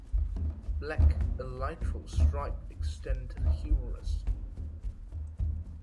Black elytral stripe extend to the humerus.